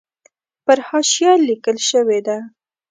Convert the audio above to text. پر حاشیه لیکل شوې ده.